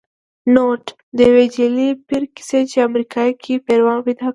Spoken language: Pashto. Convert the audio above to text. نوټ: د یو جعلې پیر کیسه چې امریکې کې پیروان پیدا کړل